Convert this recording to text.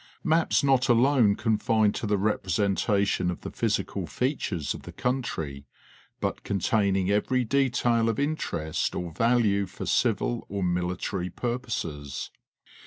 Maps not alone confined to the representation of the physical features of the country, but containing every detail of interest or value for civil or military purposes.